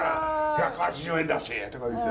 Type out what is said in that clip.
１８０円だし」とか言って。